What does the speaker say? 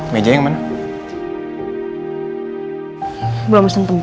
bisa pergi ke daerah dulu dulu